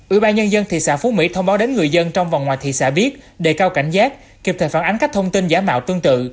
ủy ban nhân dân thị xã phú mỹ thông báo đến người dân trong và ngoài thị xã biết đề cao cảnh giác kịp thời phản ánh các thông tin giả mạo tương tự